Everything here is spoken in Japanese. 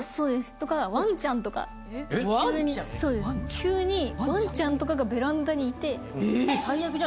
急にワンちゃんとかがベランダにいて。